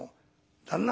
旦那